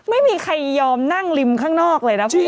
ไม่มีใครยอมนั่งริมข้างนอกเลยนะคุณ